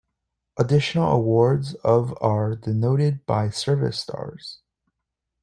Additional awards of are denoted by service stars.